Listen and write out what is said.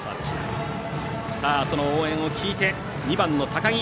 その応援を聞いて、２番の高木。